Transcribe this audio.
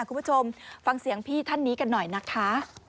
คุณผู้ชมฟังเสียงพี่ท่านนี้กันหน่อยนะคะ